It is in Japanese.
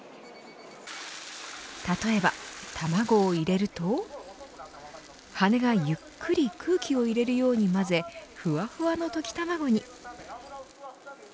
例えば、卵を入れると羽がゆっくり空気を入れるように混ぜふわふわの溶き卵に。